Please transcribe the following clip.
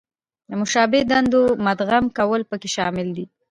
د مشابه دندو مدغم کول پکې شامل دي.